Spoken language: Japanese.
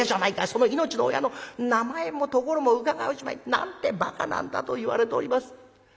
その命の親の名前も所も伺うじまい。なんてバカなんだ』と言われております。